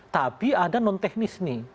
tapi ada non teknis nih